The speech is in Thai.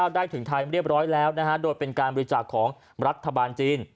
ได้ถึงไทยเรียบร้อยแล้วโดยเป็นการบริจาคของรัฐบาลจีน